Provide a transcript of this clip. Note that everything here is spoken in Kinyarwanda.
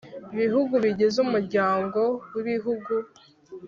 Bihugu bigize Umuryango w’Ibihugu